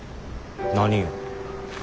何よ？